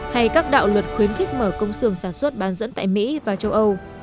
hay các đạo luật khuyến khích mở công sưởng sản xuất bán dẫn tại mỹ và châu âu